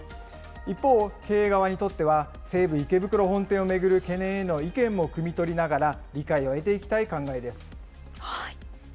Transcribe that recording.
一方、経営側にとっては、西武池袋本店を巡る懸念への意見もくみ取りながら、理解を得ていきたい考えです。